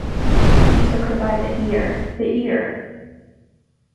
He took her by the ear, the ear!